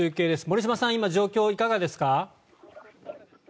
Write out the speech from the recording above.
森嶋さん、今状況はどうですか？